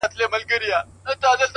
پسله كلونه چي جانان تـه ورځـي؛